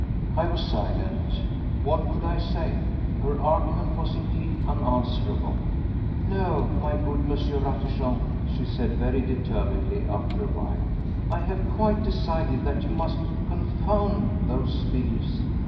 I was silent. What could I say? Her argument was indeed unanswerable. "No, my good M. Ratichon," she said very determinedly after a while. "I have quite decided that you must confound those thieves.